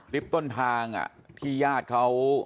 ต้นทางที่ญาติเขา